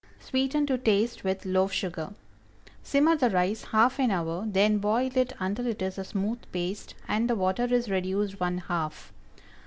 Sweeten to taste with loaf sugar. Simmer the rice half an hour; then boil it until it is a smooth paste, and the water is reduced one half.